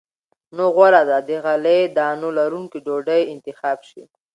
نو غوره ده د غلې- دانو لرونکې ډوډۍ انتخاب شي.